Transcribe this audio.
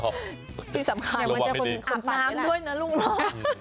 อับน้ำด้วยนะลูกม้อ